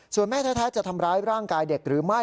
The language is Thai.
ส่วนแม่แท้จะทำร้ายร่างกายเด็กหรือไม่